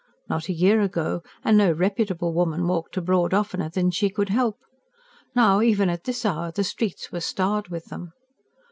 Not a year ago, and no reputable woman walked abroad oftener than she could help: now, even at this hour, the streets were starred with them.